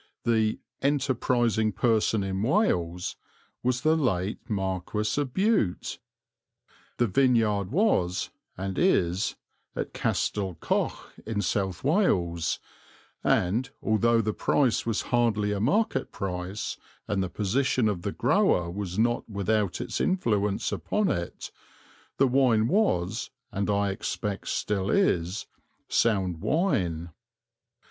The "enterprising person in Wales" was the late Marquess of Bute. The vineyard was, and is, at Castell Coch in South Wales, and, although the price was hardly a market price, and the position of the grower was not without its influence upon it, the wine was, and I expect still is, sound wine.